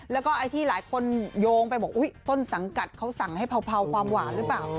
แล้วก็ไอ้ที่หลายคนโยงไปบอกอุ๊ยต้นสังกัดเขาสั่งให้เผาความหวานหรือเปล่า